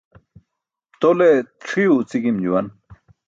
Tole c̣ʰiyo uci gim juwan.